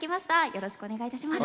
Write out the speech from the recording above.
よろしくお願いします。